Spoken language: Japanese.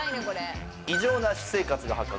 「異常な私生活が発覚！